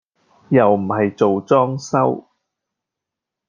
又唔係做裝修